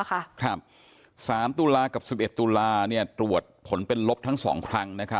ครับ๓ตุลากับ๑๑ตุลาตรวจผลเป็นลบทั้ง๒ครั้ง